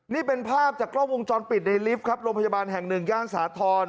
นี่เป็นภาพจากกล้องวงจรปิดในลิฟต์ครับโรงพยาบาลแห่งหนึ่งย่านสาธรณ์